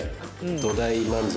土台満足。